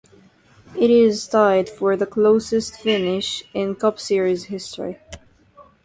It is tied for the closest finish in Cup Series history.